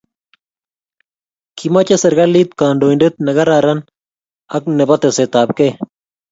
Kimoche serkalit kandoindet ne kararan and nebo tesetait abkei